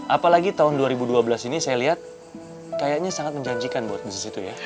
apalagi tahun dua ribu dua belas ini saya lihat kayaknya sangat menjanjikan buat di situ ya